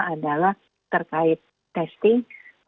adalah terkait testing